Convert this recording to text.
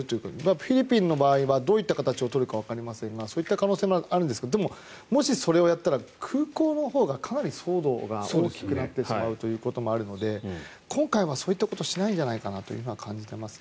フィリピンの場合はどういった形を取るかわかりませんがそういった可能性もあるんですがもしそれをやったら空港のほうがかなり騒動が大きくなってしまうということもあるので今回はそういったことはしないんじゃないかなと感じていますね。